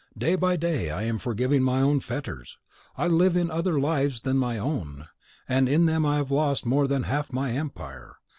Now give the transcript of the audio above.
Day by day, I am forging my own fetters. I live in other lives than my own, and in them I have lost more than half my empire.